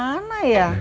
kalian berbual bersama